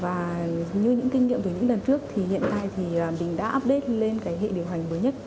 và như những kinh nghiệm từ những lần trước thì hiện nay thì mình đã update lên cái hệ điều hành mới nhất